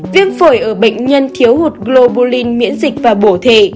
viêm phổi ở bệnh nhân thiếu hụt globalin miễn dịch và bổ thể